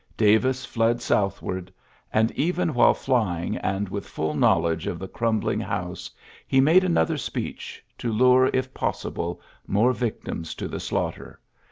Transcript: Davis fled southward ; aii( even while flying^ and with fiill know edge of the cmmbling house, he mad another speech, to lure, if possible, moi yictims to the slaughter.